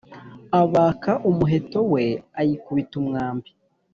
abaka umuheto we, ayikubita umwambi